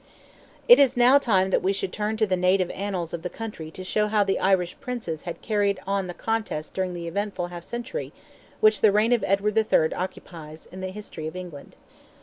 It is now time that we should turn to the native annals of the country to show how the Irish princes had carried on the contest during the eventful half century which the reign of Edward III. occupies in the history of England.